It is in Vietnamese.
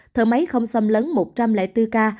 thở máy không xâm lấn một trăm linh bốn k